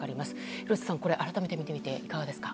廣瀬さん、改めて見ていかがですか。